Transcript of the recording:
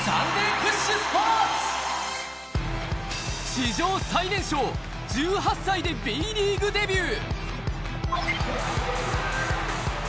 史上最年少、１８歳でＢリーグデビュー。